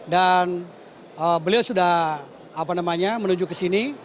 dan beliau sudah menuju ke sini